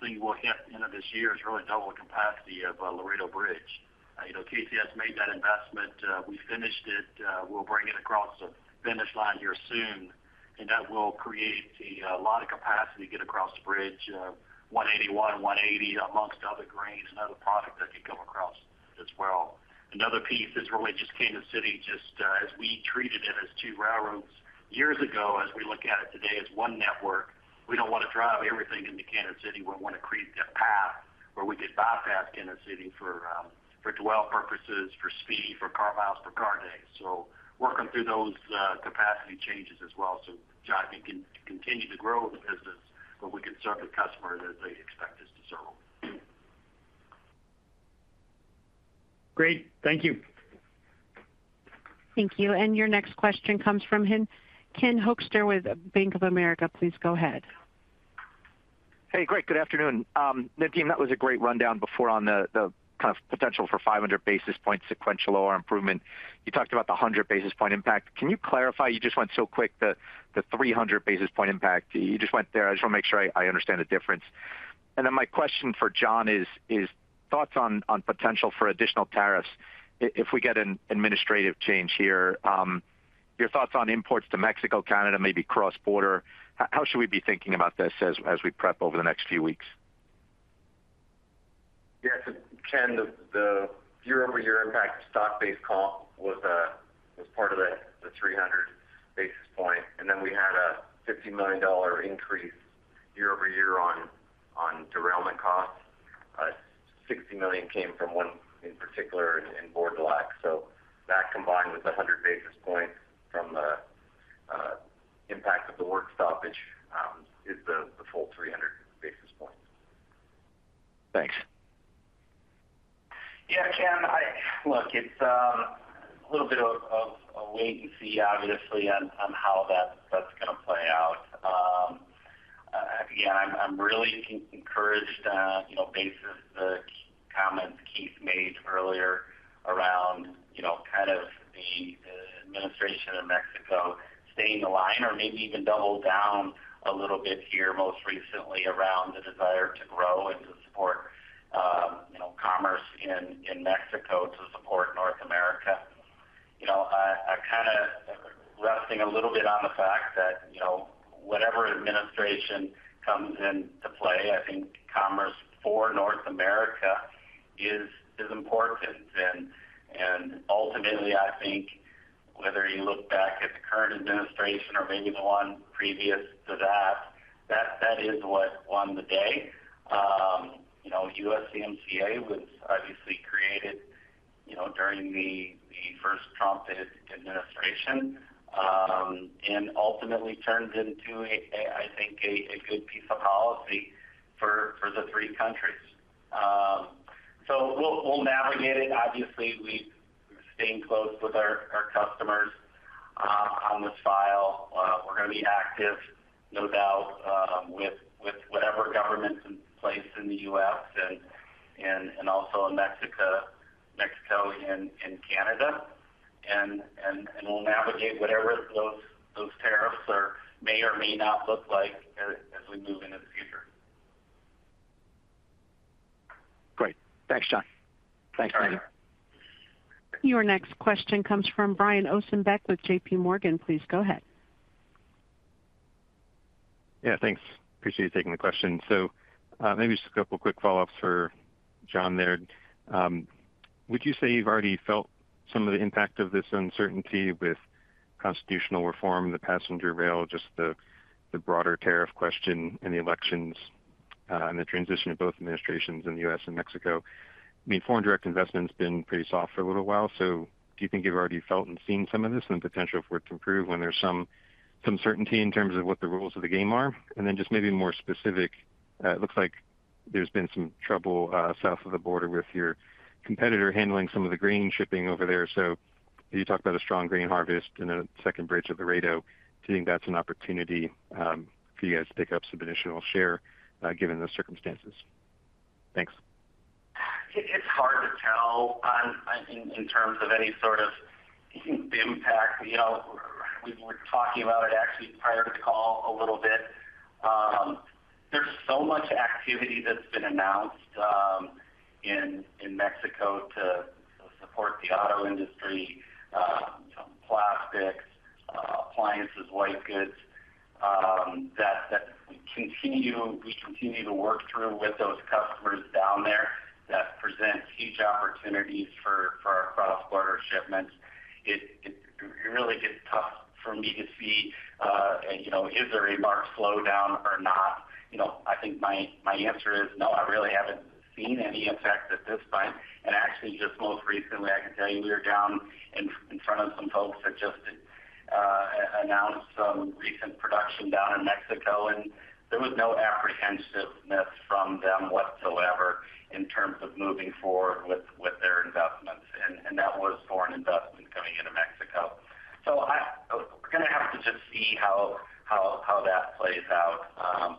thing we'll hit end of this year is really double the capacity of Laredo Bridge. You know, KCS made that investment. We finished it, we'll bring it across the finish line here soon, and that will create a lot of capacity to get across the bridge, one eighty-one, one eighty, amongst other grains and other product that can come across as well. Another piece is really just Kansas City, just, as we treated it as two railroads years ago, as we look at it today, as one network, we don't want to drive everything into Kansas City. We want to create a path where we could bypass Kansas City for, for dwell purposes, for speed, for car miles, for car days. So working through those, capacity changes as well. So John, we can continue to grow the business, but we can serve the customers... Great. Thank you. Thank you. And your next question comes from Ken Hoexter, with Bank of America. Please go ahead. Hey, great. Good afternoon. Nadeem, that was a great rundown before on the kind of potential for five hundred basis point sequential OR improvement. You talked about the hundred basis point impact. Can you clarify? You just went so quick, the three hundred basis point impact. You just went there. I just want to make sure I understand the difference. And then my question for John is thoughts on potential for additional tariffs. If we get an administrative change here, your thoughts on imports to Mexico, Canada, maybe cross-border. How should we be thinking about this as we prep over the next few weeks? Ken, the year-over-year impact, stock-based cost was part of the 300 basis points, and then we had a 50 million dollar increase year-over-year on derailment costs. Sixty million came from one in particular in Bordulac. So that combined with the 100 basis points from the impact of the work stoppage is the full 300 basis points. Thanks. Ken, look, it's a little bit of a wait-and-see, obviously, on how that's going to play out. I'm really encouraged, you know, based on the comments Keith made earlier around, you know, kind of the administration in Mexico staying the line or maybe even double down a little bit here, most recently around the desire to grow and to support, you know, commerce in Mexico, to support North America. You know, I kinda resting a little bit on the fact that, you know, whatever administration comes into play, I think commerce for North America is important. Ultimately, I think whether you look back at the current administration or maybe the one previous to that, that is what won the day. You know, USMCA was obviously created, you know, during the first Trump administration, and ultimately turned into a, I think, a good piece of policy for the three countries. So we'll navigate it. Obviously, we're staying close with our customers on this file. We're going to be active, no doubt, with whatever government's in place in the U.S. and also in Mexico and Canada, and we'll navigate whatever those tariffs may or may not look like as we move into the future. Great. Thanks, John. Thanks, Ken. Your next question comes from Brian Ossenbeck with JP Morgan. Please go ahead. Thanks. Appreciate you taking the question. So, maybe just a couple quick follow-ups for John there. Would you say you've already felt some of the impact of this uncertainty with constitutional reform, the passenger rail, just the broader tariff question in the elections, and the transition of both administrations in the U.S. and Mexico? I mean, foreign direct investment's been pretty soft for a little while, so do you think you've already felt and seen some of this and the potential for it to improve when there's some certainty in terms of what the rules of the game are? And then just maybe more specific, it looks like there's been some trouble south of the border with your competitor handling some of the grain shipping over there. So you talked about a strong grain harvest and a second bridge at Laredo. Do you think that's an opportunity, for you guys to pick up some additional share, given those circumstances? Thanks. It's hard to tell, I think, in terms of any sort of impact. You know, we were talking about it actually prior to the call a little bit. There's so much activity that's been announced in Mexico to support the auto industry, plastics, appliances, white goods, that we continue to work through with those customers down there. That presents huge opportunities for our cross-border shipments. It really gets tough for me to see, you know, is there a marked slowdown or not? You know, I think my answer is no, I really haven't seen any effect at this point. Actually, just most recently, I can tell you, we were down in front of some folks that just announced some recent production down in Mexico, and there was no apprehensiveness from them whatsoever in terms of moving forward with their investments, and that was foreign investment coming into Mexico. So, we're going to have to just see how that plays out.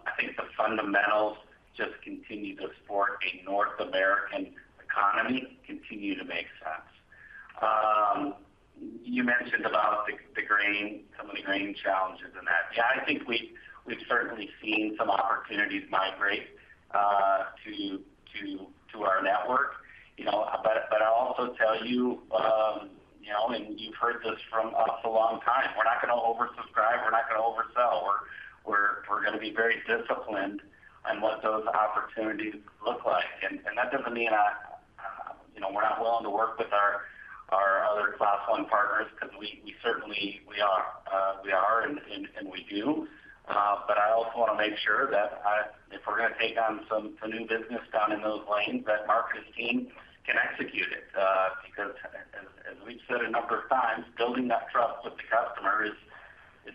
I think the fundamentals just continue to support a North American economy, continue to make sense. You mentioned about the grain, some of the grain challenges and that. Yeah, I think we've certainly seen some opportunities migrate to our network, you know. But I'll also tell you, you know, and you've heard this from us a long time, we're not going to oversubscribe, we're not going to oversell. We're going to be very disciplined on what those opportunities look like. And that doesn't mean, you know, we're not willing to work with our other Class 1 partners, because we certainly are, and we do. But I also want to make sure that if we're going to take on some new business down in those lanes, that our operation'scan execute it. Because as we've said a number of times, building that trust with the customer is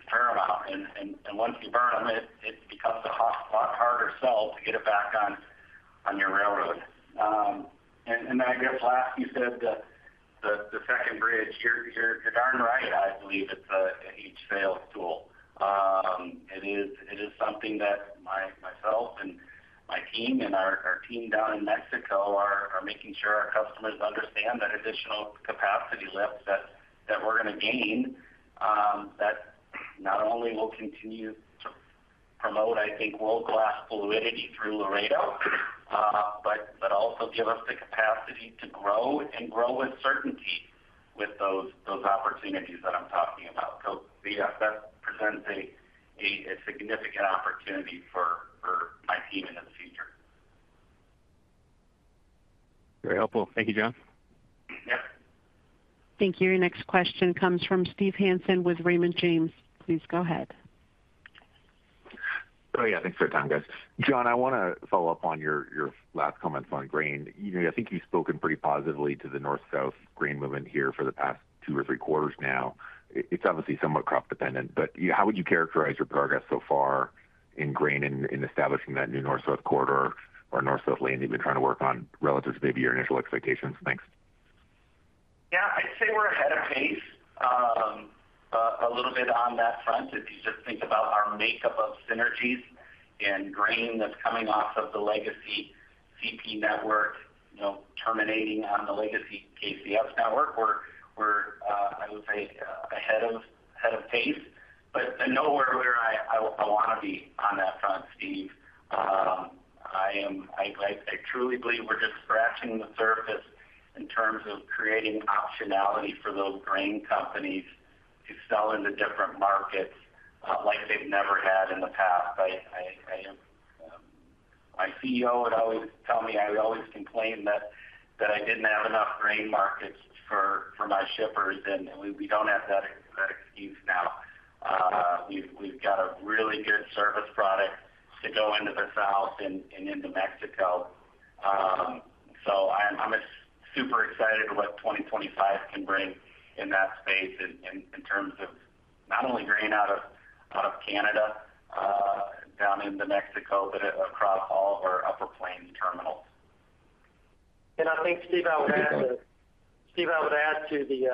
paramount, and once you burn them, it becomes a whole lot harder sell to get it back on your railroad. And I guess, lastly you said the second bridge, you're darn right. I believe it's a huge sales tool. It is something that myself and my team and our team down in Mexico are making sure our customers understand that additional capacity lift that we're going to gain, that not only will continue to promote, I think, world-class fluidity through Laredo, but also give us the capacity to grow and grow with certainty with those opportunities that I'm talking about. So yes, that presents a significant opportunity for my team in the future. Very helpful. Thank you, John. Yep. Thank you. Your next question comes from Steve Hansen with Raymond James. Please go ahead. Thanks for your time, guys. John, I want to follow up on your last comments on grain. You know, I think you've spoken pretty positively to the North-South grain movement here for the past two or three quarters now. It's obviously somewhat crop dependent, but you, how would you characterize your progress so far in grain in establishing that new North-South corridor or North-South lane you've been trying to work on relative to maybe your initial expectations? Thanks. I'd say we're ahead of pace, a little bit on that front. If you just think about our makeup of synergies and grain that's coming off of the legacy CP network, you know, terminating on the legacy KCS network, we're I would say ahead of pace, but nowhere where I want to be on that front, Steve. I truly believe we're just scratching the surface in terms of creating optionality for those grain companies to sell into different markets, like they've never had in the past. My CEO would always tell me, I would always complain that I didn't have enough grain markets for my shippers, and we don't have that excuse now. We've got a really good service product to go into the South and into Mexico, so I'm super excited what 2025 can bring in that space in terms of not only grain out of Canada down into Mexico, but across all of our Upper Plains terminals. I think, Steve, I would add to Steve, I would add, too, the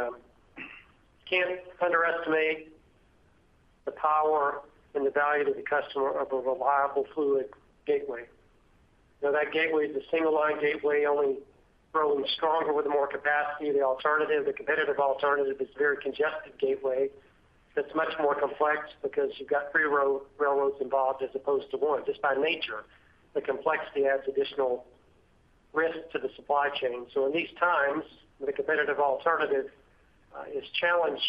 can't underestimate the power and the value to the customer of a reliable fluid gateway. Now, that gateway is a single-line gateway, only growing stronger with more capacity. The alternative, the competitive alternative, is a very congested gateway that's much more complex because you've got three railroads involved as opposed to one. Just by nature, the complexity adds additional risk to the supply chain. So in these times, when the competitive alternative is challenged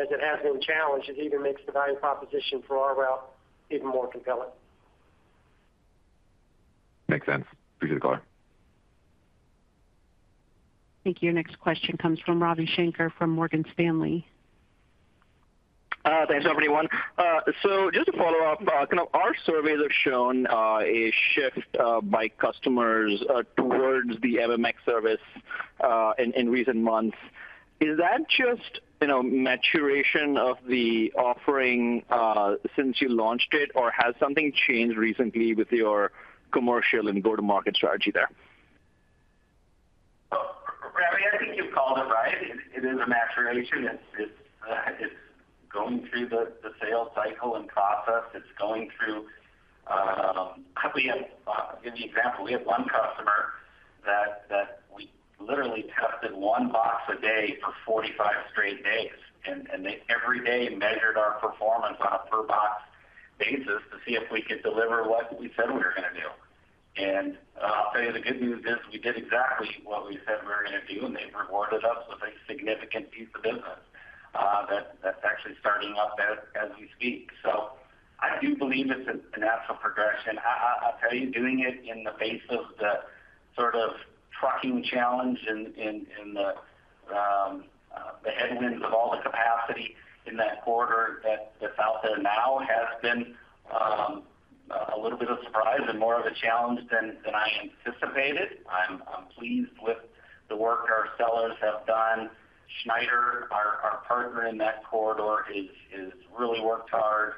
as it has been challenged, it even makes the value proposition for our route even more compelling. Makes sense. Appreciate the color. Thank you. Your next question comes from Ravi Shanker from Morgan Stanley. Thanks, everyone. So just to follow up, you know, our surveys have shown a shift by customers towards the MMX service in recent months. Is that just, you know, maturation of the offering since you launched it, or has something changed recently with your commercial and go-to-market strategy there? Ravi, I think you called it right. It is a maturation. It's going through the sales cycle and process. It's going through. We have. Give you an example. We have one customer that we literally tested one box a day for forty-five straight days, and they every day measured our performance on a per box basis to see if we could deliver what we said we were going to do. And I'll tell you, the good news is we did exactly what we said we were going to do, and they've rewarded us with a significant piece of business that that's actually starting up as we speak. So I do believe it's a natural progression. I'll tell you, doing it in the face of the sort of trucking challenge and the headwinds of all the capacity in that corridor that is out there now has been a little bit of surprise and more of a challenge than I anticipated. I'm pleased with the work our sellers have done. Schneider, our partner in that corridor, is really worked hard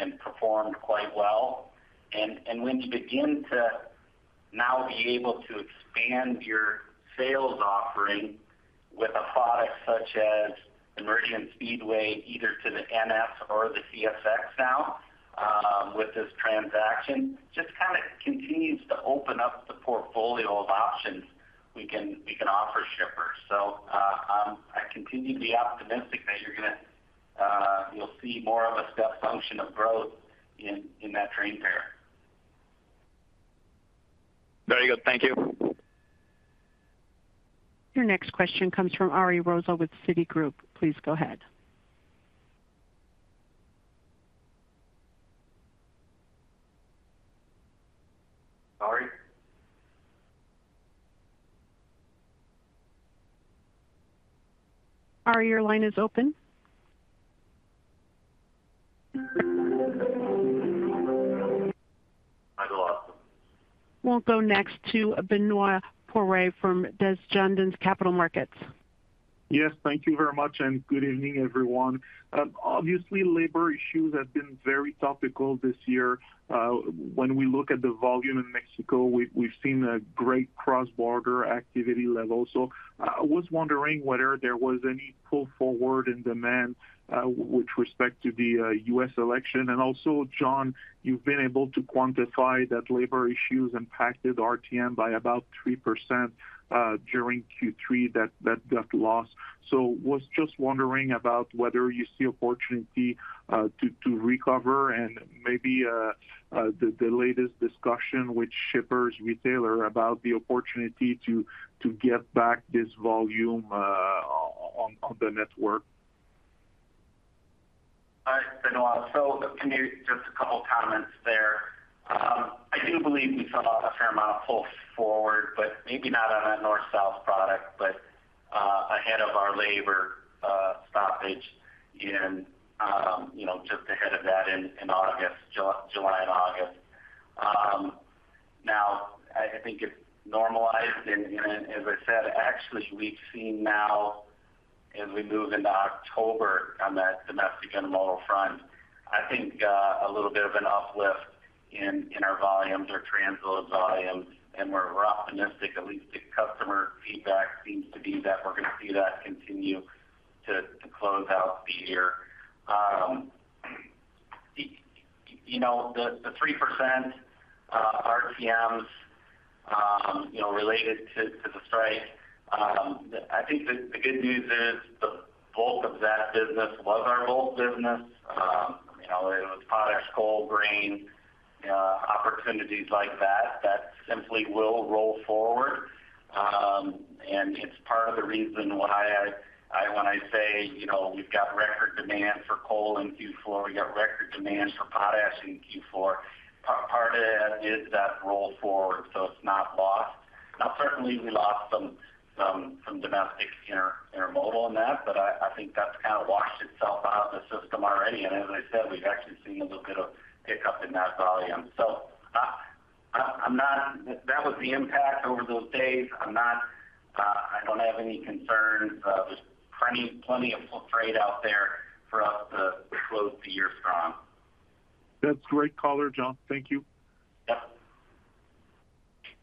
and performed quite well. And when you begin to now be able to expand your sales offering with a product such as Meridian Speedway, either to the NS or the CSX now, with this transaction, just kind of continues to open up the portfolio of options we can offer shippers. I continue to be optimistic that you're going to, you'll see more of a step function of growth in that train pair. Very good. Thank you. Your next question comes from Ari Rosa with Citigroup. Please go ahead. Ari? Ari, your line is open. We'll go next to Benoit Poirier from Desjardins Capital Markets. Yes, thank you very much, and good evening, everyone. Obviously, labor issues have been very topical this year. When we look at the volume in Mexico, we've seen a great cross-border activity level. So I was wondering whether there was any pull forward in demand, with respect to the U.S. election. And also, John, you've been able to quantify that labor issues impacted RTM by about 3% during Q3 that got lost. So was just wondering about whether you see opportunity to recover and maybe the latest discussion with shippers, retailer about the opportunity to get back this volume on the network. Hi, Benoit. So, just a couple of comments there. I do believe we saw a fair amount of pull forward, but maybe not on a North-South product, but ahead of our labor stoppage, you know, just ahead of that in July and August. Now, I think it's normalized, and as I said, actually, we've seen now as we move into October on that domestic and Mexico front, I think a little bit of an uplift in our volumes, our transload volumes, and we're optimistic. At least the customer feedback seems to be that we're going to see that continue to close out the year. You know, the 3% RTMs, you know, related to the strike. I think the good news is the bulk of that business was our old business. You know, it was potash, coal, grain, opportunities like that that simply will roll forward. And it's part of the reason why, when I say, you know, we've got record demand for coal in Q4, we got record demand for potash in Q4. Part of that is that roll forward, so it's not lost. Now, certainly, we lost some domestic intermodal in that, but I think that's kind of washed itself out of the system already. And as I said, we've actually seen a little bit of pickup in that volume. So, I'm not. That was the impact over those days. I'm not, I don't have any concerns. There's plenty of full freight out there for us to close the year strong. That's great, caller, John. Thank you. Yep.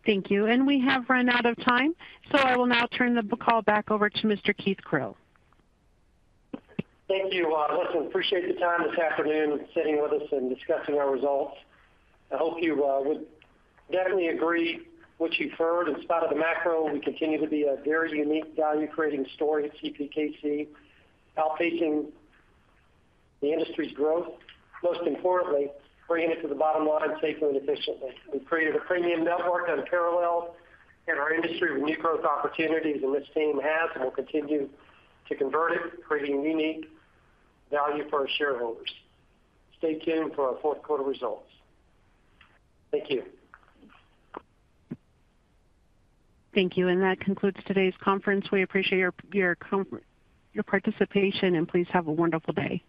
Thank you. And we have run out of time, so I will now turn the call back over to Mr. Keith Creel. Thank you. Listen, appreciate the time this afternoon sitting with us and discussing our results. I hope you would definitely agree what you've heard. In spite of the macro, we continue to be a very unique, value-creating story at CPKC, outpacing the industry's growth, most importantly, bringing it to the bottom line safely and efficiently. We've created a premium network unparalleled in our industry with new growth opportunities, and this team has and will continue to convert it, creating unique value for our shareholders. Stay tuned for our fourth quarter results. Thank you. Thank you. And that concludes today's conference. We appreciate your participation, and please have a wonderful day.